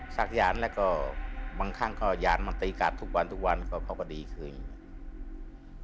สักยานแล้วก็บางครั้งเขายานมันตีกัดทุกวันทุกวันก็พอดีคืออย่างนี้